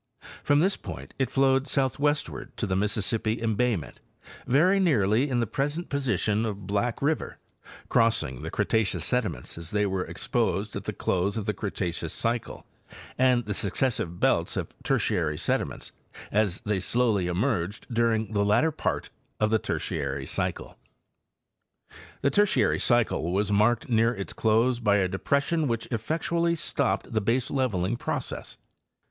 From this point it flowed south westward to the Mississippi embayment very nearly in the pres ent position of Black river, crossing the Cretaceous sediments as they were exposed at the close of the Cretaceous cycle and the successive belts of Tertiary sediments as they slowly emerged during the latter part of the Tertiary cycle. The Tertiary cycle was marked near its close by a depression which effectually stopped the baseleveling process.